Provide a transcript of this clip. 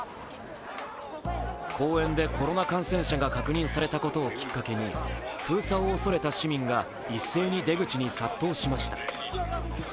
公園でコロナ感染者が確認されたことをきっかけに封鎖を恐れた市民が、一斉に出口に殺到しました。